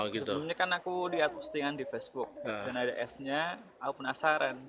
sebelumnya kan aku lihat postingan di facebook dan ada s nya aku penasaran